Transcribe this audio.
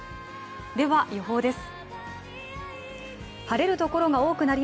では予報です。